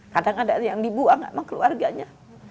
kadang ada yang dibuang sama keluarganya